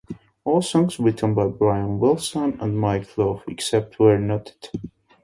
All songs written by Brian Wilson and Mike Love, except where noted.